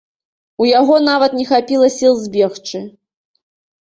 У яго нават не хапіла сіл збегчы.